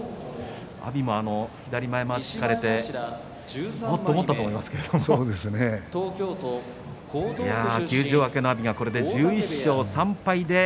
阿炎も左前まわしを引かれてもっともっとと思いますけれども休場明けの阿炎、これで１１勝３敗です。